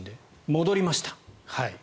戻りました。